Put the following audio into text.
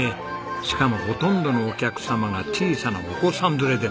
しかもほとんどのお客様が小さなお子さん連れで。